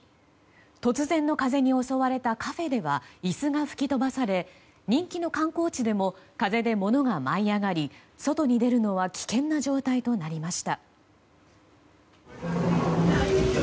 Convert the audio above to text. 突然の風に襲われたカフェでは椅子が吹き飛ばされ人気の観光地でも風でものが舞い上がり外に出るのは危険な状態となりました。